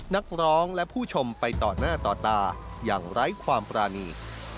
นักร้องและผู้ชมไปต่อหน้าต่อตาอย่างไร้ความปรานี